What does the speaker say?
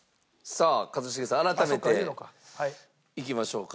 一茂さん改めていきましょうか。